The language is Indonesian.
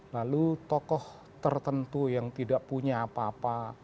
lalu tokoh tertentu yang tidak punya apa apa